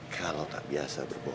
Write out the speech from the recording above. kalau tak biasa berbicara